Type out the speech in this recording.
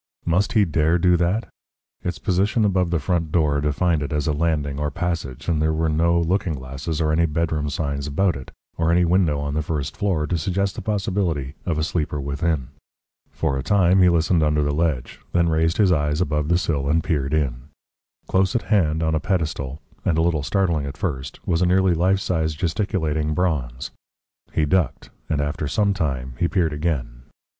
Must he dare do that? Its position above the front door defined it as a landing or passage, and there were no looking glasses or any bedroom signs about it, or any other window on the first floor, to suggest the possibility of a sleeper within. For a time he listened under the ledge, then raised his eyes above the sill and peered in. Close at hand, on a pedestal, and a little startling at first, was a nearly life size gesticulating bronze. He ducked, and after some time he peered again.